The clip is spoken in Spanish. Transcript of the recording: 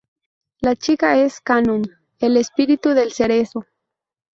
La chica es Kanon, el "espíritu" del cerezo.